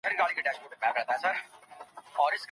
او د امت له پاره سیاسي سطحه اړینه نه ده.